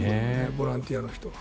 ボランティアの人は。